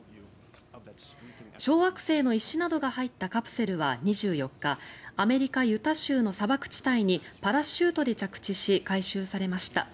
小惑星の石などが入ったカプセルは２４日アメリカ・ユタ州の砂漠地帯にパラシュートで着地し回収されました。